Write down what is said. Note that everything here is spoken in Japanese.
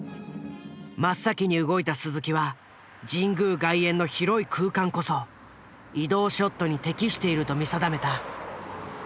真っ先に動いた鈴木は神宮外苑の広い空間こそ移動ショットに適していると見定めた。